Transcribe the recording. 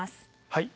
はい。